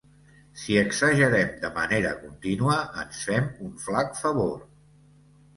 Si exagerem de manera contínua, ens fem un flac favor.